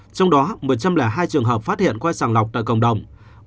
trong đó một trăm linh hai trường hợp phát hiện quay sàng lọc tại cộng đồng